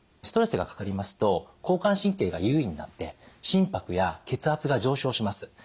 ストレスがかかりますと交感神経が優位になって心拍や血圧が上昇します。